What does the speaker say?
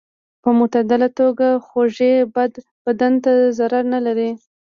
په معتدله توګه خوږې بدن ته ضرر نه لري.